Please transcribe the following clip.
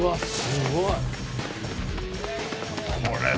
すごい。